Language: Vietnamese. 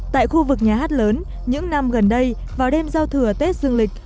tại khu vực nhà hát lớn những năm gần đây vào đêm giao thừa tết dương lịch